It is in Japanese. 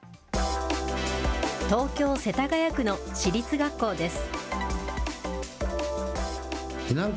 東京・世田谷区の私立学校です。